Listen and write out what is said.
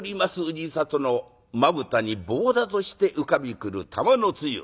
氏郷のまぶたにぼうだとして浮かびくる玉の露。